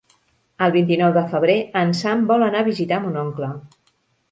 El vint-i-nou de febrer en Sam vol anar a visitar mon oncle.